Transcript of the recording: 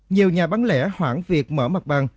nhiều nhà bán lẻ hoãn việc mở mặt bằng